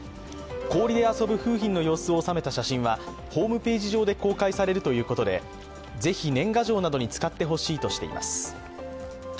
氷で遊ぶ楓浜の様子を収めた写真はホームページ上で公開されるということで、ぜひ年賀状などに使ってほしいとしています。